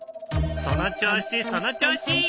その調子その調子！